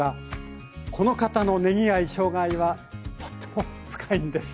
この方のねぎ愛・しょうが愛はとっても深いんです。